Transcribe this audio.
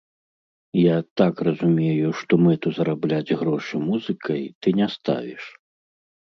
Я так разумею, што мэту зарабляць грошы музыкай ты не ставіш?